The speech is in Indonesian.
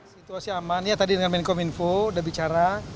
situasi aman ya tadi dengan menkom info udah bicara